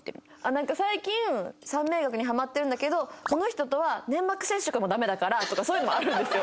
「なんか最近算命学にハマってるんだけどこの人とは粘膜接触もダメだから」とかそういうのもあるんですよ。